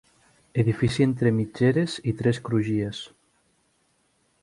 Edifici entre mitgeres i tres crugies.